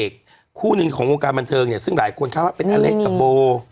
คู่หนึ่งของวงการบันเทิงเนี่ยซึ่งหลายคนคาดว่าเป็นอเล็กกับโบ